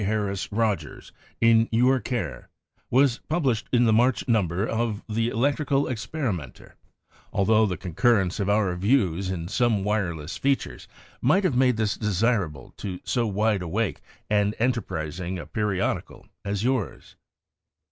Harris Rogers, in your care, was published in the march number of the Electrical Experimenter, altho the concur rence of our views in some wireless fea tures might have made this desirable to so wide awake and enterprising a periodical as yours.